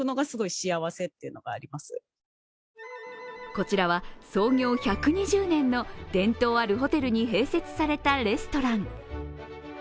こちらは創業１２０年の伝統あるホテルに併設されたレストラン。